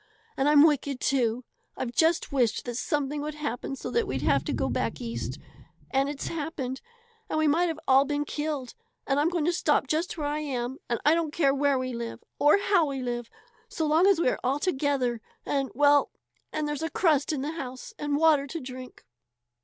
"And I'm wicked, too! I've just wished that something would happen so we'd have to go back East, and it's happened; and we might have all been killed. And I'm going to stop just where I am. I don't care where we live or how we live so long as we are all together and well and there's a crust in the house and water to drink."